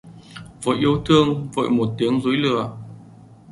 Vội yêu thương vội một tiếng dối lừa...